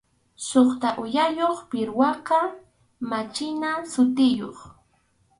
Suqta uyayuq pirwaqa machina sutiyuq.